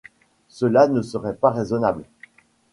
Cela ne serait pas raisonnable.